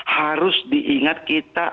harus diingat kita